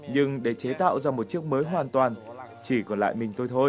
nhưng để chế tạo ra một chiếc mới hoàn toàn chỉ còn lại mình thôi